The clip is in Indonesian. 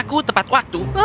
aku tepat waktu